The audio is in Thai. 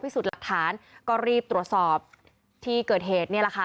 พิสูจน์หลักฐานก็รีบตรวจสอบที่เกิดเหตุนี่แหละค่ะ